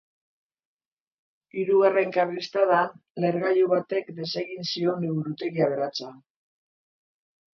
Hirugarren karlistadan, lehergailu batek desegin zion liburutegi aberatsa.